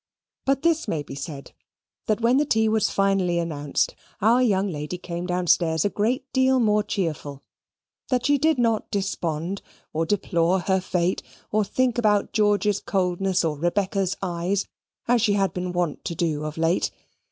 But this may be said, that when the tea was finally announced, our young lady came downstairs a great deal more cheerful; that she did not despond, or deplore her fate, or think about George's coldness, or Rebecca's eyes, as she had been wont to do of late.